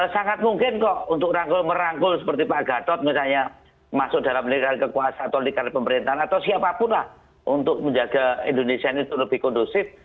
sangat mungkin kok untuk rangkul merangkul seperti pak gatot misalnya masuk dalam lingkaran kekuasaan atau lingkaran pemerintahan atau siapapun lah untuk menjaga indonesia ini lebih kondusif